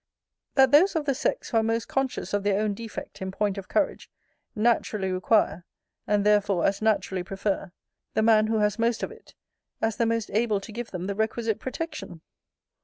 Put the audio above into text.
That those of the sex, who are most conscious of their own defect in point of courage, naturally require, and therefore as naturally prefer, the man who has most of it, as the most able to give them the requisite protection?